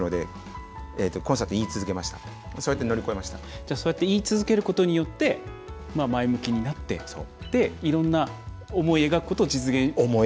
じゃあ、そうやって言い続けることによって前向きになっていろんな思い描くことを実現してきた。